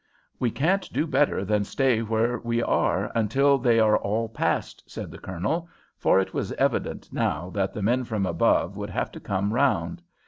"We can't do better than stay where we are until they are all past," said the Colonel, for it was evident now that the men from above would have to come round.